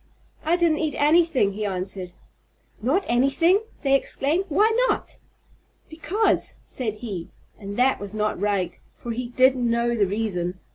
"I didn't eat anything," he answered. "Not anything!" they exclaimed. "Why not?" "Because!" said he. And that was not right, for he did know the reason.